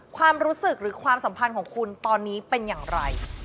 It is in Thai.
ความรู้สึกหรือความสัมพันธ์ของคุณตอนนี้เป็นอย่างไร